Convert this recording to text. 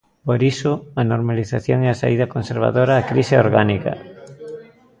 Por iso, a normalización é a saída conservadora á crise orgánica.